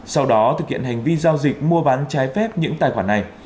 sau đó thực hiện hành vi giao dịch mua bán trái phép những tài khoản này